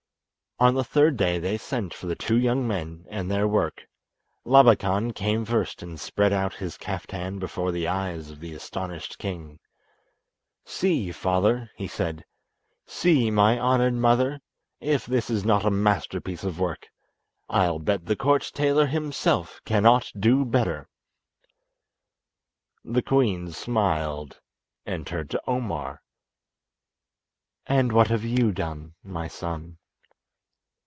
On the third day they sent for the two young men and their work. Labakan came first and spread out his kaftan before the eyes of the astonished king. "See, father," he said; "see, my honoured mother, if this is not a masterpiece of work. I'll bet the court tailor himself cannot do better. The queen smiled and turned to Omar: "And what have you done, my son?"